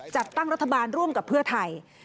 จัดตั้งรัฐบาลร่วมกับเพื่อไทย